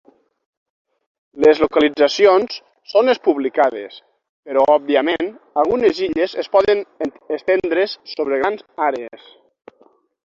Les localitzacions són les publicades, però òbviament algunes illes es poden estendre's sobre grans àrees.